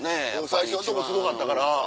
最初のとこすごかったから。